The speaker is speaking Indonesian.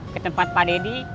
ketempat pak deddy